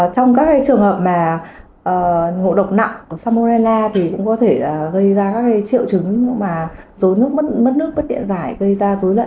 trong các trường hợp ngộ độc nặng của salmonella có thể gây ra triệu chứng mất nước mất điện giải gây ra dối lận